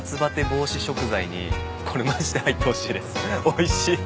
おいしい！